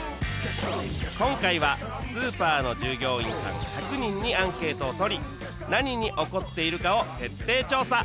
今回はスーパーの従業員さん１００人にアンケートを取り何に怒っているかを徹底調査！